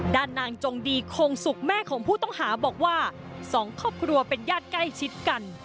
ด้านนางจงดีโคงสุกแม่ของผู้ต้องหาบอกว่าสองครอบครัวเป็นญาติใกล้ชิดกัน